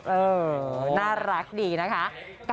เออน่ารักดีนะคะ